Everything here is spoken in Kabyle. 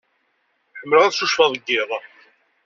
Ḥemmleɣ ad ccucfeɣ deg yiḍ.